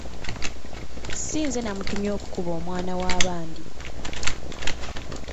Si nze namutumye okukuba omwana wa bandi.